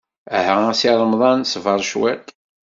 Aha a Si Remḍan, ṣber cwiṭ.